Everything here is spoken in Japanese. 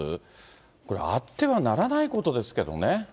これ、あってはならないことですけどね。